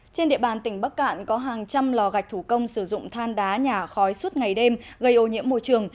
trên địa bàn tỉnh bắc cạn có hàng trăm lò gạch thủ công sử dụng than đá nhà khói suốt ngày đêm gây ô nhiễm môi trường